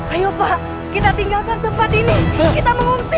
ayo kita tinggalkan tempat ini kita mengungsi